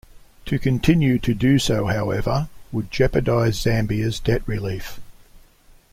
To continue to do so, however, would jeopardize Zambia's debt relief.